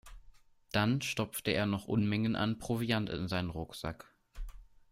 Dann stopfte er noch Unmengen an Proviant in seinen Rucksack.